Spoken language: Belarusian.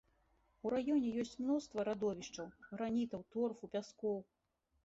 У раёне ёсць мноства радовішчаў гранітаў, торфу, пяскоў.